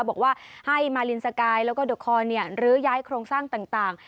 บอกว่าให้มาลินสกายแล้วก็เดอคอนลื้อย้ายโครงสร้างต่าง